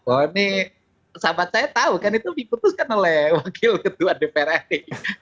oh ini sahabat saya tahu kan itu diputuskan oleh wakil ketua dpr ri